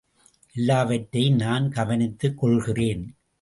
எல்லாவற்றையும் நான் கவனித்துக் கொள்கிறேன்.